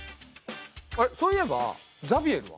あれそういえばザビエルは？